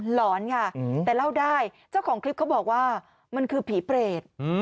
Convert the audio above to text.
หลอนค่ะแต่เล่าได้เจ้าของคลิปเขาบอกว่ามันคือผีเปรต